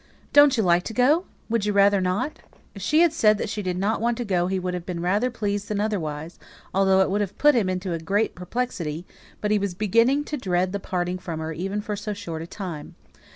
"Don't you like to go? Would you rather not?" If she had said that she did not want to go he would have been rather pleased than otherwise, although it would have put him into a great perplexity; but he was beginning to dread the parting from her even for so short a time.